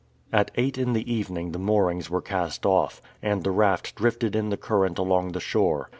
At eight in the evening the moorings were cast off, and the raft drifted in the current along the shore.